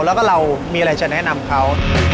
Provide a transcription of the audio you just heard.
แล้วก็เรามีอะไรจะแนะนำเขา